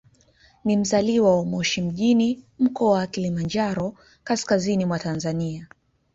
Ni mzaliwa wa Moshi mjini, Mkoa wa Kilimanjaro, kaskazini mwa Tanzania.